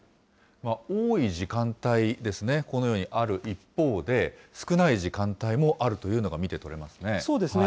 多い時間帯ですね、このようにある一方で、少ない時間帯もあそうですね。